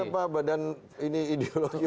ini bila pak badan ini ideologi